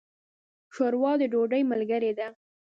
ښوروا د ډوډۍ ملګرې ده.